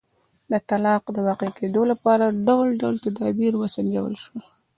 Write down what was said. د طلاق د واقع کېدو لپاره ډول ډول تدابیر وسنجول شول.